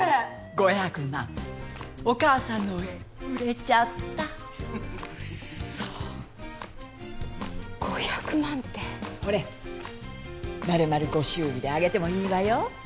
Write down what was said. ５００万お母さんの絵売れちゃったうっそ５００万ってほれ丸々ご祝儀であげてもいいわよ？